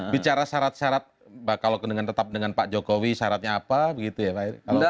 bicara syarat syarat kalau tetap dengan pak jokowi syaratnya apa